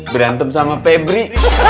berantem sama febri